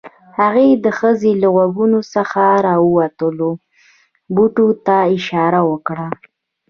هغې د ښځې له غوږونو څخه راوتلو بوټو ته اشاره وکړه